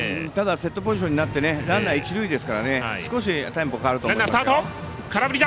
セットポジションになってランナー、一塁ですから少しテンポ変わると思います。